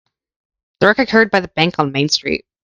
The wreck occurred by the bank on Main Street.